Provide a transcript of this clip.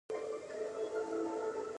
ایا زما غاښونه به ښه شي؟